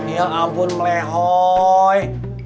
ya ampun melehoi